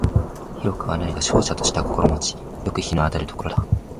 広くはないが瀟洒とした心持ち好く日の当たる所だ